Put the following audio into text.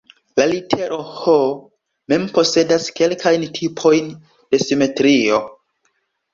La litero "H" mem posedas kelkajn tipojn de simetrio.